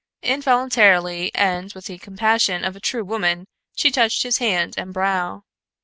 Involuntarily and with the compassion of a true woman she touched his hand and brow.